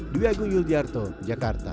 duyagung yuldiarto jakarta